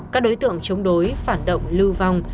các đối tượng chống đối phản động lưu vong